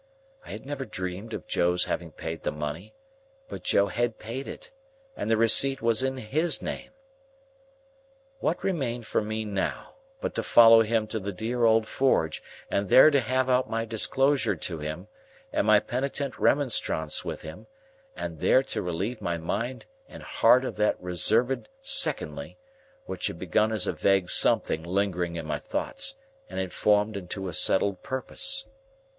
I had never dreamed of Joe's having paid the money; but Joe had paid it, and the receipt was in his name. What remained for me now, but to follow him to the dear old forge, and there to have out my disclosure to him, and my penitent remonstrance with him, and there to relieve my mind and heart of that reserved Secondly, which had begun as a vague something lingering in my thoughts, and had formed into a settled purpose?